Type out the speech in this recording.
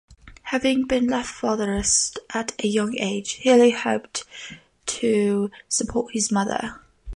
Having been left fatherless at a young age, Healy helped to support his mother.